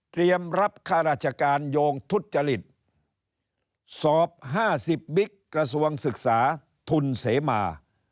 รับค่าราชการโยงทุจริตสอบ๕๐บิ๊กกระทรวงศึกษาทุนเสมา